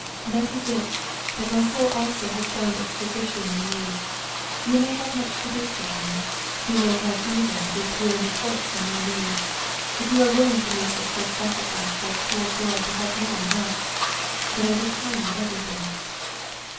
" That is it, and my soul also has found its physician in you. You may have to do much for me; you may even have to appear in the courts in my name. If you are willing to make this great sacrifice for a poor girl who has no one else, then I will tell you everything."